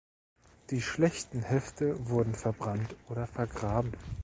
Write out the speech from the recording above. Die „schlechten“ Hefte wurden verbrannt oder vergraben.